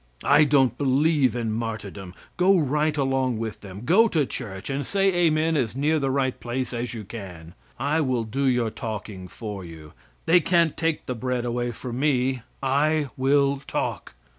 I don't believe in martyrdom! Go right along with them; go to church and say amen as near the right place as you can. I will do your talking for you. They can't take the bread away from me. I will talk.